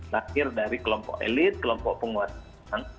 lahir dari kelompok elit kelompok penguasa